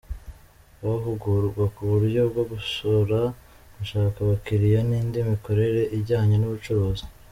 Bahugurwa ku buryo bwo gusora, gushaka abakiliya n’indi mikorere ijyanye n’ubucuruzi.